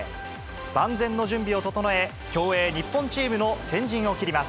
万全の準備を整え、競泳日本チームの先陣を切ります。